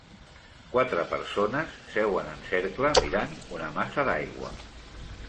Quatre persones seuen en cercle mirant una massa d'aigua.